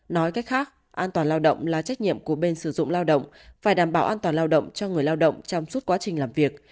nói cách khác an toàn lao động là trách nhiệm của bên sử dụng lao động phải đảm bảo an toàn lao động cho người lao động trong suốt quá trình làm việc